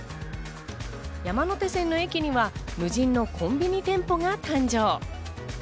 山手線の駅には無人のコンビニ店舗が誕生。